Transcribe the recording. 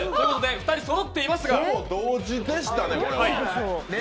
２人そろっていますがほぼ同時でしたね。